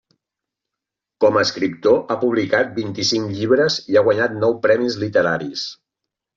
Com a escriptor ha publicat vint-i-cinc llibres i ha guanyat nou premis literaris.